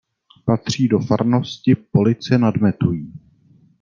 Patří do farnosti Police nad Metují.